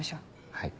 はい。